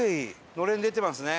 のれん出てますね。